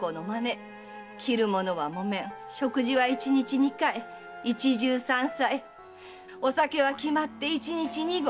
着る物は木綿食事は一日二回一汁三菜お酒は決まって一日二合。